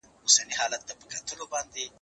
زه يادونه نه کوم..